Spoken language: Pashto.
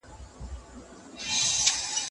په ښوونځیو کي باید د هر زده کوونکي درناوی وسي.